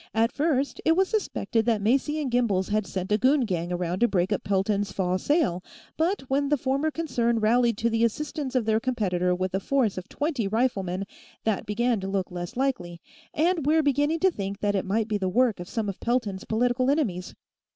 At first, it was suspected that Macy & Gimbel's had sent a goon gang around to break up Pelton's fall sale, but when the former concern rallied to the assistance of their competitor with a force of twenty riflemen, that began to look less likely, and we're beginning to think that it might be the work of some of Pelton's political enemies.